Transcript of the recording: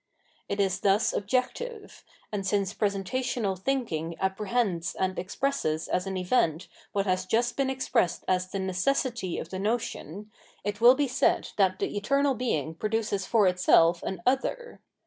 It is thus objective ; and since pre sentational thinking apprehends and expresses as an event what has just been expressed as the necessity of the notion, it will be said that the eternal Being pro duces for itself an other.